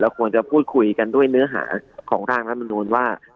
ควรจะพูดคุยกันด้วยเนื้อหาของร่างรัฐมนูลว่า